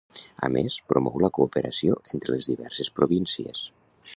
A més, promou la cooperació entre les diverses províncies.